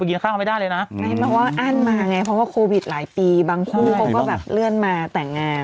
อ้านมาไงเพราะว่าโควิดหลายปีบางครูเขาก็แบบเลื่อนมาแต่งงาม